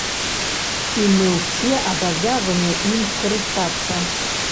І мы ўсе абавязаны ім скарыстацца.